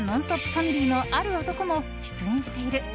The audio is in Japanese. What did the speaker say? ファミリーのある男も出演している。